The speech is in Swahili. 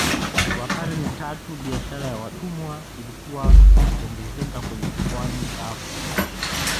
Kwa karne tatu biashara ya watumwa ilikua na kuongezeka kwenye pwani za Afrika.